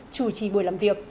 chủ trì buổi làm việc